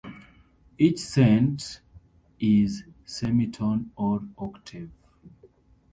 Each cent is semitone or octave.